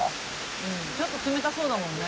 ちょっと冷たそうだもんね。